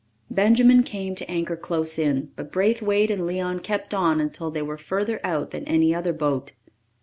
Benjamin came to anchor close in, but Braithwaite and Leon kept on until they were further out than any other boat.